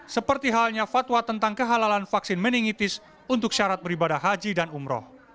seperti halnya fatwa tentang kehalalan vaksin meningitis untuk syarat beribadah haji dan umroh